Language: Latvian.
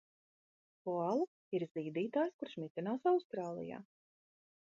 Koala ir zīdītājs, kurš mitinās Austrālijā.